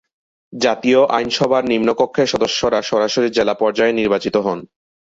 জাতীয় আইনসভার নিম্ন কক্ষের সদস্যরা সরাসরি জেলা পর্যায়ে নির্বাচিত হন।